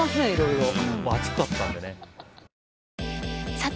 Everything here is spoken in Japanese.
さて！